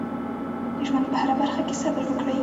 د ژوند په هره برخه کې صبر وکړئ.